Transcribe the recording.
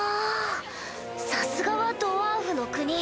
さすがはドワーフの国。